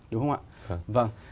đúng không ạ vâng